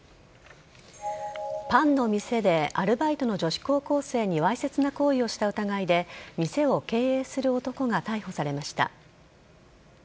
パンの店でアルバイトの女子高校生にわいせつな行為をした疑いで店を経営する男が逮捕されました。